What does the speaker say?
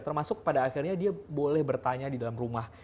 termasuk pada akhirnya dia boleh bertanya di dalam rumah